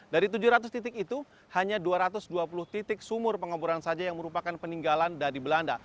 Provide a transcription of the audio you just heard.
dari tujuh ratus titik itu hanya dua ratus dua puluh titik sumur pengeboran saja yang merupakan peninggalan dari belanda